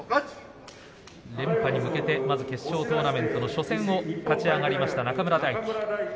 連覇に向けて、まず決勝トーナメントの初戦を勝ち上がりました中村泰輝。